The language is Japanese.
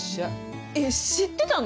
えっ知ってたの！？